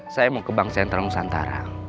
saya mau ke bank sentral nusantara